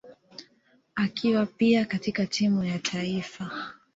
akiwa pia katika timu ya taifa.